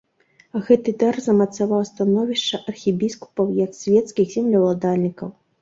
Гэты дар замацаваў становішча архібіскупаў як свецкіх землеўладальнікаў.